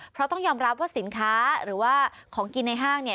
เพราะต้องยอมรับว่าสินค้าหรือว่าของกินในห้าง